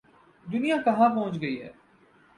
دنیا کہاں پہنچ گئی ہے۔